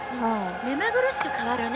めまぐるしく変わるね。